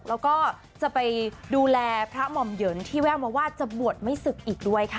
แล้วก็จะไปดูแลพระหม่อมเหยินที่แววมาว่าจะบวชไม่ศึกอีกด้วยค่ะ